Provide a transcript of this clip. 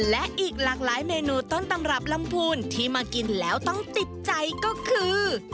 และอีกหลากหลายเมนูต้นตำรับลำพูนที่มากินแล้วต้องติดใจก็คือ